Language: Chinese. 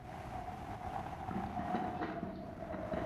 我想说还有时间